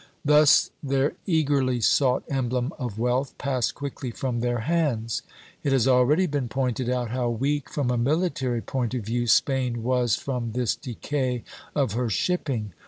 Thus their eagerly sought emblem of wealth passed quickly from their hands. It has already been pointed out how weak, from a military point of view, Spain was from this decay of her shipping.